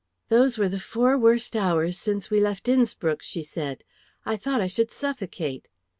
"Those were the four worst hours since we left Innspruck," she said. "I thought I should suffocate."